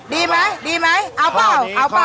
ดีไหมดีไหมเอาเปล่าเอาเปล่า